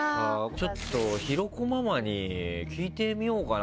ちょっと広子ママに聞いてみようかな。